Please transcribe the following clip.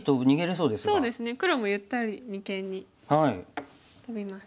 そうですね黒もゆったり二間にトビます。